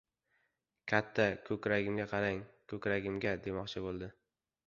"Katta, ko‘kragimga qarang, ko‘kragimga", demoqchi bo‘ldi.